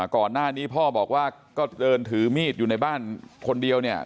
ก่อนหน้านี้พ่อบอกว่าก็เดินถือมีดอยู่ในบ้านคนเดียวเนี่ย